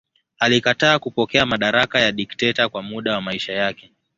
Alikataa kupokea madaraka ya dikteta kwa muda wa maisha yake.